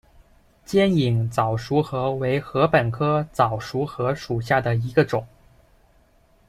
尖颖早熟禾为禾本科早熟禾属下的一个种。